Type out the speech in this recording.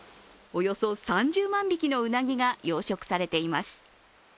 およそ３０万匹のうなぎが養殖されています。